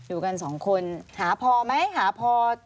อยู่กันสองคนหาพอไหมหาพอ